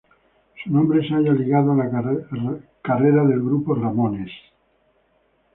Su nombre se halla ligado a la carrera del grupo "Ramones".